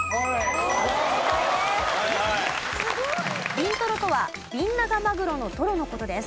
びんとろとはビンナガマグロのトロの事です。